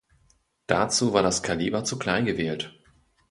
Dazu war das Kaliber zu klein gewählt.